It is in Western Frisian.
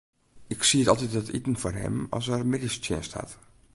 Ik sied altyd it iten foar him as er middeistsjinst hat.